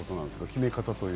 決め方は。